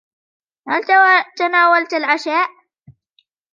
هل تناولت العشاء ؟